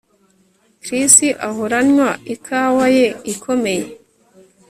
Chris ahora anywa ikawa ye ikomeye